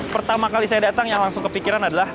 pertama kali saya datang yang langsung kepikiran adalah